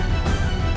aku mau ke rumah